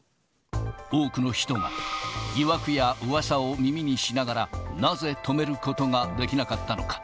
多くの人が、疑惑やうわさを耳にしながら、なぜ止めることができなかったのか。